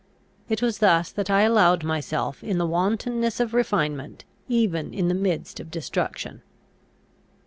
It was thus that I allowed myself in the wantonness of refinement, even in the midst of destruction.